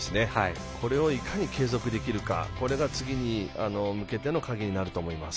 これをいかに継続できるかが次に向けての鍵になると思います。